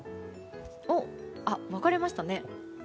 分かれましたね。